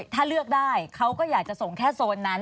ถ้าเลือกได้เขาก็อยากจะส่งแค่โซนนั้น